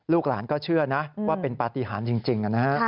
หลานก็เชื่อนะว่าเป็นปฏิหารจริงนะฮะ